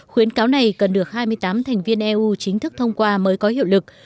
khuyến cáo này cần được hai mươi tám thành viên eu chính thức thông qua mới có hiệu lực